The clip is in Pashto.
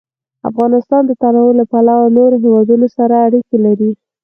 افغانستان د تنوع له پلوه له نورو هېوادونو سره اړیکې لري.